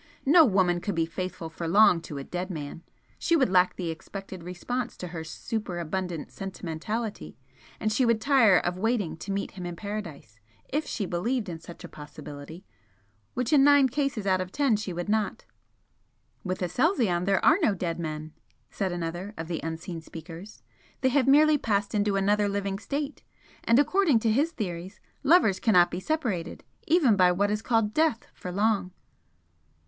No woman could be faithful for long to a dead man she would lack the expected response to her superabundant sentimentality, and she would tire of waiting to meet him in Paradise if she believed in such a possibility, which in nine cases out of ten she would not." "With Aselzion there are no dead men" said another of the unseen speakers "They have merely passed into another living state. And according to his theories, lovers cannot be separated, even by what is called death, for long."